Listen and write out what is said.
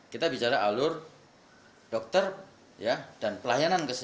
kita bicara alur dokter dan pelayanan ke profesi